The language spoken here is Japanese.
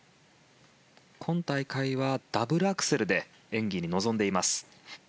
今大会はダブルアクセルで演技に臨んでいます。